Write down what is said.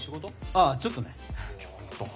あぁちょっとね。